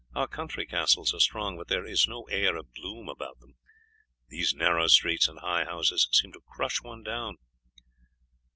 Our country castles are strong, but there is no air of gloom about them; these narrow streets and high houses seem to crush one down."